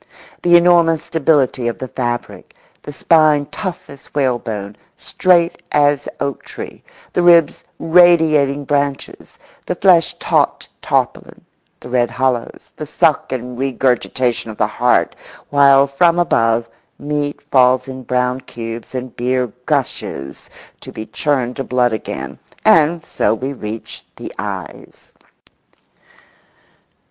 The enormous stability of the fabric; the spine tough as whalebone, straight as oaktree; the ribs radiating branches; the flesh taut tarpaulin; the red hollows; the suck and regurgitation of the heart; while from above meat falls in brown cubes and beer gushes to be churned to blood again—and so we reach the eyes.